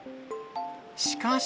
しかし。